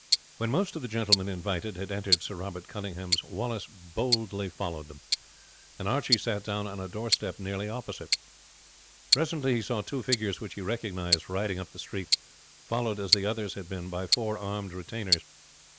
When most of the gentlemen invited had entered Sir Robert Cunninghame's Wallace boldly followed them; and Archie sat down on a doorstep nearly opposite. Presently he saw two figures which he recognized riding up the street, followed, as the others had been by four armed retainers.